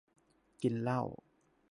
กินเหล้า